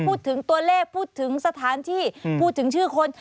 พูดถึงตัวเลขพูดถึงสถานที่พูดถึงชื่อคน